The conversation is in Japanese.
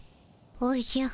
おじゃ。